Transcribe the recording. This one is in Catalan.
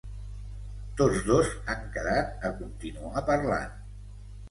Tots dos han quedat a continuar parlant.